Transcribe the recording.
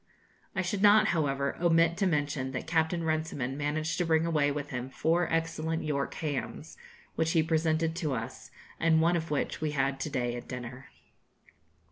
I should not, however, omit to mention that Captain Runciman managed to bring away with him four excellent York hams, which he presented to us, and one of which we had to day at dinner.